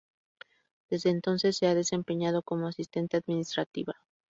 Desde entonces se ha desempeñado como asistente administrativa.